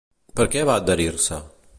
Per què va adherir-se?